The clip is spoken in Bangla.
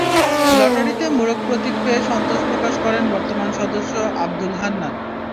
লটারিতে মোরগ প্রতীক পেয়ে সন্তোষ প্রকাশ করেন বর্তমান সদস্য আবদুল হান্নান।